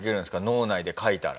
脳内で書いたら。